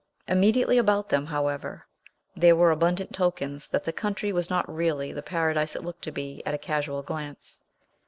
Immediately about them, however, there were abundant tokens that the country was not really the paradise it looked to be, at a casual glance.